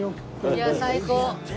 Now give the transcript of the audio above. いやあ最高。